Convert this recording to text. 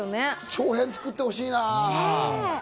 長編、作ってほしいな。